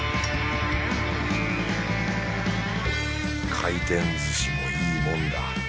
回転寿司もいいもんだ。